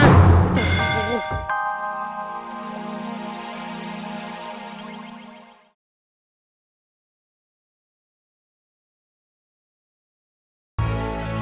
aku akan menunggumu